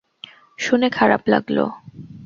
শুনে খারাপ লাগলো।